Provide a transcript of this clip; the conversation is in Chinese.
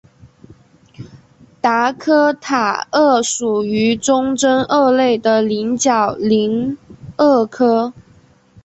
达科塔鳄属于中真鳄类的棱角鳞鳄科。